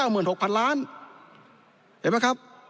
เห็นมั้ยครับ